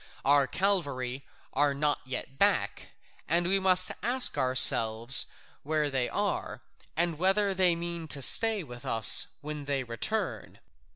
Our cavalry are not yet back, and we must ask ourselves where they are and whether they mean to stay with us when they return.